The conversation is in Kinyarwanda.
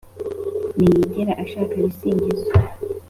ntiyigera ashaka ibisingizo.